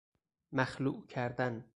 مخلوع کردن